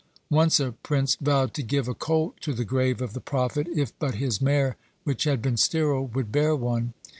Once a prince vowed to give a colt to the grave of the prophet, if but his mare which had been sterile would bear one.